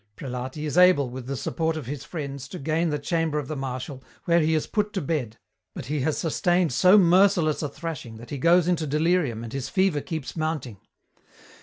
Prelati is able, with the support of his friends, to gain the chamber of the Marshal, where he is put to bed, but he has sustained so merciless a thrashing that he goes into delirium and his fever keeps mounting.